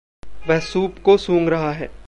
वह सूप को सूँघ रहा है।